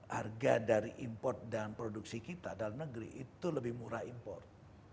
harga dari import dan produksi kita dalam negeri itu lebih murah import